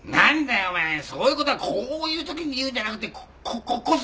お前そういうことはこういうときに言うんじゃなくてこここっそり言えバカヤロウ。